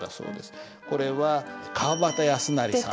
これは川端康成さん。